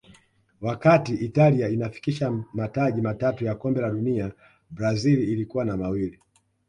wakati italia inafikisha mataji matatu ya kombe la dunia brazil ilikuwa na mawili